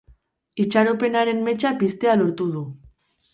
Itxaropenaren metxa piztea lortu du.